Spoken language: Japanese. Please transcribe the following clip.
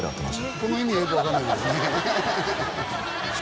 この意味がよく分かんないですね